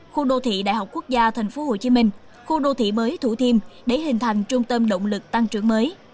khu đô thị đại học quốc gia tp hcm khu đô thị mới thủ thiêm để hình thành trung tâm động lực tăng trưởng mới